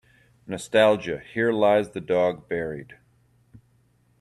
Nostalgia Here lies the dog buried.